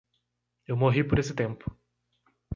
Eu morri por esse tempo.